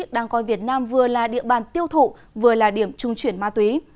đang coi việt nam vừa là địa bàn tiêu thụ vừa là điểm trung chuyển ma túy